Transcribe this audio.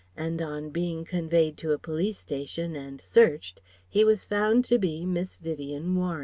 and on being conveyed to a police station and searched he was found to be Miss Vivien Warren.